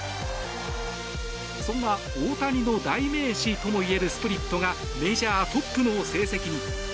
そんな大谷の代名詞といえるスプリットがメジャートップの成績に。